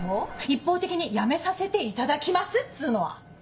・一方的に「やめさせていただきます」っつうのは。